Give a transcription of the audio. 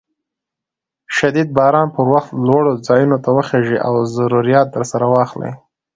د شديد باران پر وخت لوړو ځايونو ته وخېژئ او ضروريات درسره واخلئ.